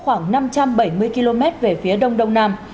khoảng năm trăm bảy mươi km về phía đông đông nam